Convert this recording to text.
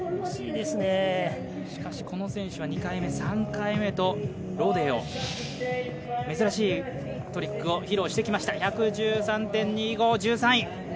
しかしこの選手は２回目、３回目とロデオ珍しいトリックを披露してきました１１３．２５、１３位。